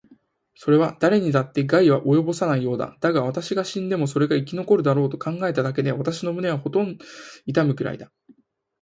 それはだれにだって害は及ぼさないようだ。だが、私が死んでもそれが生き残るだろうと考えただけで、私の胸はほとんど痛むくらいだ。